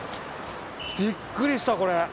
びっくりしたこれ！